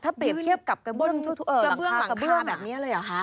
ถ้าเปรียบเทียบกับกระเบื้องหลังกระเบื้องแบบนี้เลยเหรอคะ